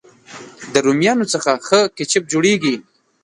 د رومیانو څخه ښه کېچپ جوړېږي.